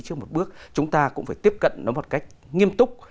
trước một bước chúng ta cũng phải tiếp cận nó một cách nghiêm túc